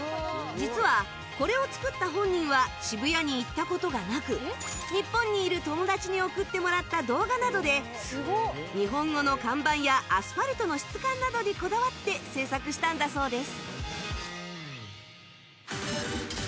実はこれを作った本人は渋谷に行った事がなく日本にいる友達に送ってもらった動画などで日本語の看板やアスファルトの質感などにこだわって制作したんだそうです